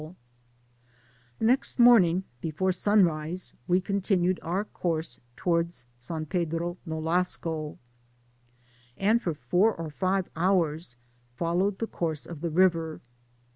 The next morning, before sunrise, we continued our course towards San Pedro Nolasco, and for four or five hours followed the coiwse of the river.